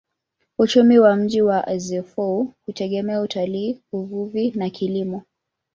Uchumi wa mji wa Azeffou hutegemea utalii, uvuvi na kilimo.